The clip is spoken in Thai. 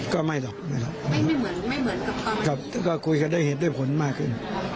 ก็ไม่หรอกไม่เหมือนไม่เหมือนกับตอนนี้ก็คุยกันได้เห็นด้วยผลมากขึ้น